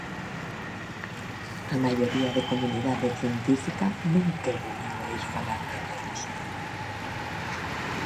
A maioría de comunidade científica non quere nin oír falar de deus.